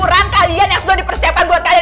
orang kalian yang sudah dipersiapkan buat kalian